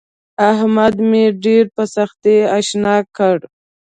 احمد مې ډېره په سختي اشنا کړ.